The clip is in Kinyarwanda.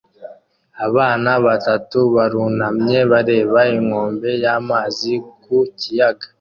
Abana batatu barunamye bareba inkombe y'amazi ku kiyaga